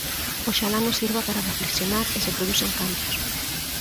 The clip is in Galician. Oxalá nos sirva para reflexionar e se produzan cambios.